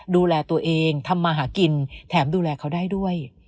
ดูแลตัวเองทำมาหากินแถมดูแลเขาได้ด้วย